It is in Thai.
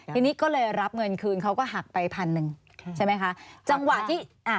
ทีนี้ก็เลยรับเงินคืนเขาก็หักไปพันหนึ่งใช่ไหมคะ